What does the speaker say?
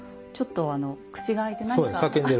ちょっと口が開いて何か。